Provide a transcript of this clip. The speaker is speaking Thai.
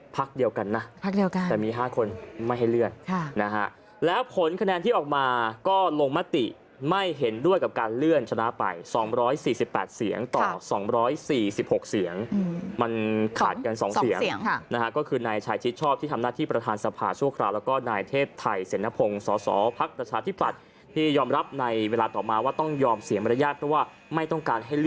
พักเดียวกันนะพักเดียวกันแต่มีห้าคนไม่ให้เลื่อนค่ะนะฮะแล้วผลคะแนนที่ออกมาก็ลงมติไม่เห็นด้วยกับการเลื่อนชนะไปสองร้อยสี่สิบแปดเสียงต่อสองร้อยสี่สิบหกเสียงอืมมันขาดกันสองเสียงสองเสียงค่ะนะฮะก็คือนายชายชิดชอบที่ทำหน้าที่ประธานสภาชั่วคราวแล้วก็นายเทพไทยเศรษฐพง